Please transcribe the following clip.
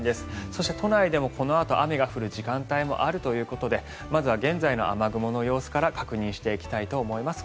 そして都内でもこのあと雨が降る時間帯もあるということでまずは現在の雨雲の様子から確認していきたいと思います。